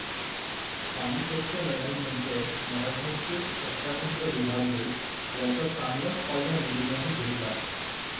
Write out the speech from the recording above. पानिपतच्या लढाईनंतर मराठ्यांचे सत्ताकेंद्र विभागले याचा चांगलाहच फायदा इंग्रजांनी घेतला.